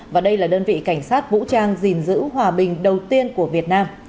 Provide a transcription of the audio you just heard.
và đây là đơn vị cảnh sát vũ trang gìn giữ hòa bình đầu tiên của việt nam